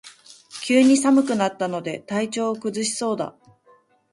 急に寒くなったので体調を崩しそうだ